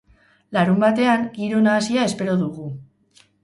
Larunbatean, giro nahasia espero dugu.